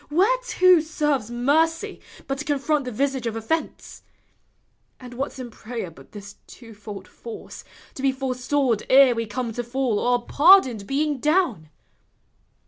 Whereto serves mercy But to confront the visage of offence? And what 's in prayer but this twofold force, To be forestalled ere we come to fall. Or pardoned being down?